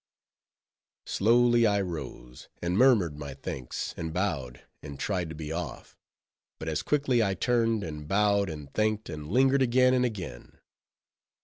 Slowly I rose, and murmured my thanks, and bowed, and tried to be off; but as quickly I turned, and bowed, and thanked, and lingered again and again.